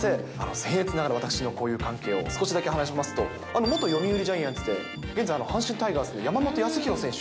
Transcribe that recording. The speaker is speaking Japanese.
せん越ながら、私の交友関係を少しだけ話しますと、元読売ジャイアンツで、現在、阪神タイガースの山本やすひろ選手。